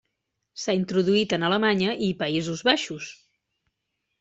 S'ha introduït en Alemanya i Països Baixos.